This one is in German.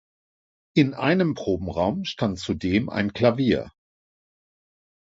In einem Probenraum stand zudem ein Klavier.